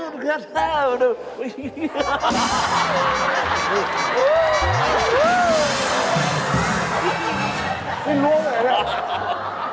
เมื่อน้ำได้แล้ว